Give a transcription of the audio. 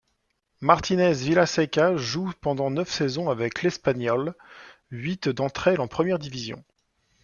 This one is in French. Martínez Vilaseca joue pendant neuf saisons avec l'Espanyol, huit d'entre elles en première division.